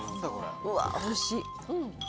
うわおいしい。